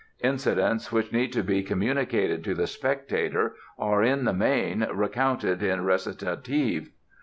Incidents which need to be communicated to the spectator are, in the main, recounted in recitative.